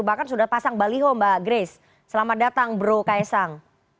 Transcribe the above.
bahkan sudah pasang baliho mbak grace selamat datang bro kaesang